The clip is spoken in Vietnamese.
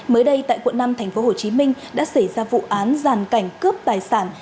mới đây tại quận năm tp hcm đã xảy ra vụ án giàn cảnh cướp tài sản